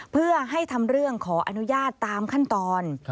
เพื่อให้ทำเรื่องขออนุญาตตามขั้นตอน